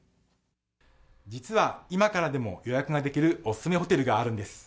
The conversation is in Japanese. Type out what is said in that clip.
実は今からでも予約ができるお勧めホテルがあるんです。